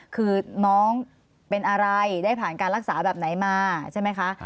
คือน้องเป็นอะไรได้ผ่านการรักษาแบบไหนมาใช่ไหมคะ